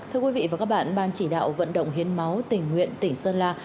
thưa quý vị và các bạn ban chỉ đạo vận động hiến máu tỉnh nguyện tỉnh sơn la